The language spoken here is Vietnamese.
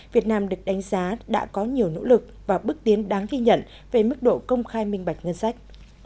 việt nam được đánh giá đã có nhiều nỗ lực và bước tiến đáng ghi nhận về mức độ công khai minh bạch ngân sách